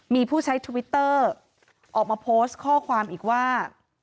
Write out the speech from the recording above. มีผู้ใช้ทวิตเตอร์ออกมาโพสต์ข้อความอีกว่า